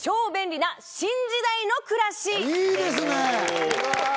いいですね！